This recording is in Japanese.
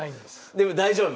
でも大丈夫？